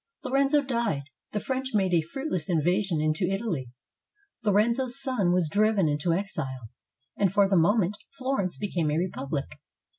Lorenzo died, the French made a fruitless invasion into Italy, Lorenzo's son was driven into exile, and for the moment Florence became a republic.